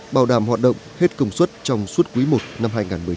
bảo đảm hoạt động hết công suất trong suốt quý i năm hai nghìn một mươi chín